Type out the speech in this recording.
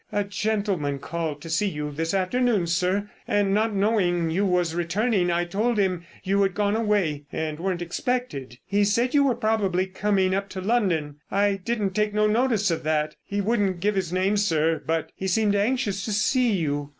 "A gentleman called to see you this afternoon, sir, and not knowing you was returning I told him you had gone away and weren't expected. He said you were probably coming up to London—I didn't take no notice of that. He wouldn't give his name, sir, but he seemed anxious to see you."